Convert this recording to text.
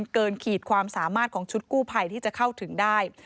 ขีดความสามารถของชุดกู้ภัยที่จะเข้าถึงได้